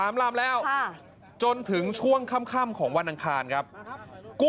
๓ลำแล้วจนถึงช่วงข้ำของวันอังคารครับนะครับ